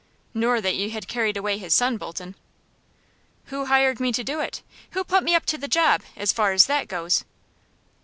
"Nor that you had carried away his son, Bolton." "Who hired me to do it? Who put me up to the job, as far as that goes?"